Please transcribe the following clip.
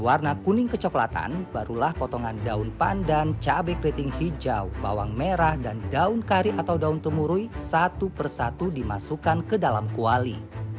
warna kuning kecoklatan barulah potongan daun pandan cabai keriting hijau bawang merah dan daun kari atau daun temurui satu persatu dimasukkan ke dalam kuali